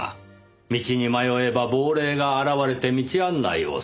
道に迷えば亡霊が現れて道案内をする。